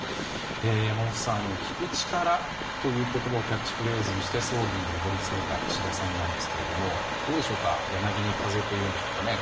山本さん、聞く力という言葉をキャッチフレーズにして総理に上り詰めた岸田さんですがどうでしょうか柳に風というんでしょうかね。